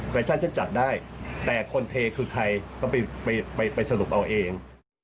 ชั่นฉันจัดได้แต่คนเทคือใครก็ไปสรุปเอาเอง